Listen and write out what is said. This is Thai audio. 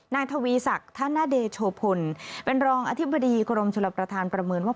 นายทวีศักดิ์ธนเดโชพลเป็นรองอธิบดีกรมชลประธานประเมินว่า